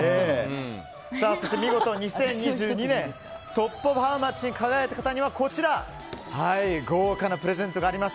見事２０２２トップ・オブ・ハウマッチに輝いた方は豪華なプレゼントがあります。